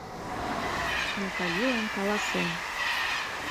Наталилан каласен.